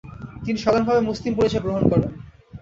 তিনি সাধারণভাবে মুসলিম পরিচয় গ্রহণ করেন।